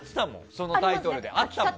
そのタイトルであったもん